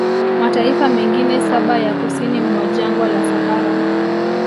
mataifa mengine saba ya kusini mwa jangwa la Sahara